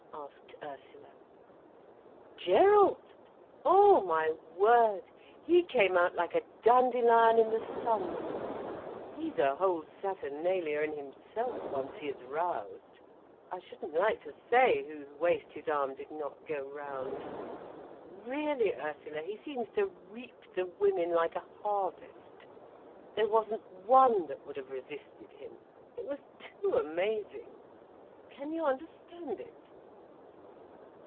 asked Ursula. "Gerald! Oh, my word, he came out like a dandelion in the sun! He's a whole saturnalia in himself, once he is roused. I shouldn't like to say whose waist his arm did not go round. Really, Ursula, he seems to reap the women like a harvest. There wasn't one that would have resisted him. It was too amazing! Can you understand it?"